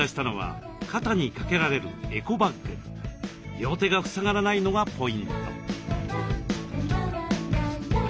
両手が塞がらないのがポイント。